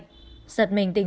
giật mình tự nhiên